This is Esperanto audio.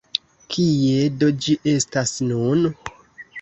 Kie do ĝi estas nun?